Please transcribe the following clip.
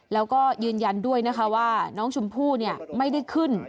แล้วก็ยืนยันด้วยนะคะว่าน้องชมพู่ไม่ได้ขึ้น